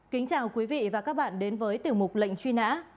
kính chào quý vị và các bạn đến với tiểu mục lệnh truy nã